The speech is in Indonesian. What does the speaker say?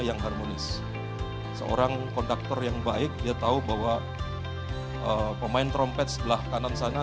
yang harmonis seorang konduktor yang baik dia tahu bahwa pemain trompet sebelah kanan sana